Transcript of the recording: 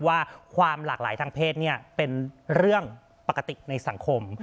ว่าความหลากหลายทางเพศเป็นเรื่องปกติในสังคม